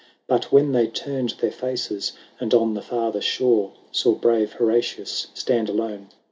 But when they turned their faces. And on the farther shore Saw brave Horatius stand alone.